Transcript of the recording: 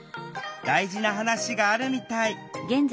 大事な話があるみたい。